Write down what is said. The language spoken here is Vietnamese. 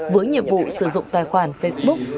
với nhiệm vụ sử dụng tài khoản facebook